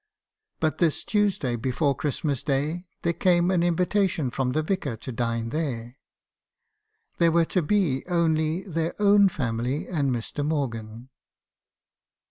"But this Tuesday before Christmas day, there came an in vitation from the vicar to dine there ; there were to be only their own family and Mr. Morgan.